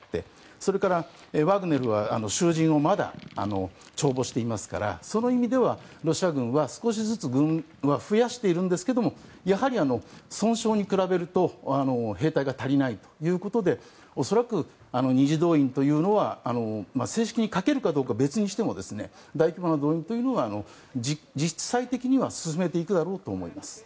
それから、ワグネルは囚人をまだ徴募していますからその意味ではロシア軍は少しずつ軍は増やしていますがやはり損傷に比べると兵隊が足りないということで恐らく、２次動員というのは正式に描けるかどうかは別にしても大規模な動員というのは実際的には進めていくだろうと思います。